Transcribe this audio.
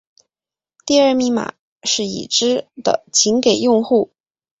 第二密码是已知的仅给用户。